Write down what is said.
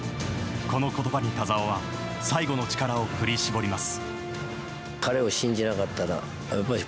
この言葉に田澤は最後の力を振り絞ります。